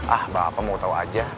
ah mbak apa mau tau aja